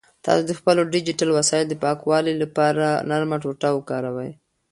تاسو د خپلو ډیجیټل وسایلو د پاکوالي لپاره نرمه ټوټه وکاروئ.